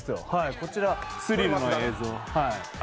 こちら、スリルの映像。